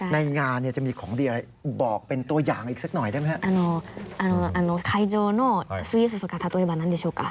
ในงานเนี่ยจะมีของดีอะไรบอกเป็นตัวอย่างอีกสักหน่อยได้ไหมครับ